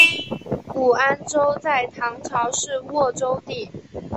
武安州在唐朝是沃州地。